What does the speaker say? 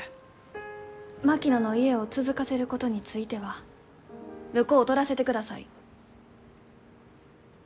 槙野の家を続かせることについては婿を取らせてください。